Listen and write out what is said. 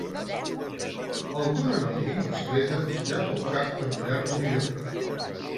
Alguna noia indiscreta girava el cap per mirar-lo millor.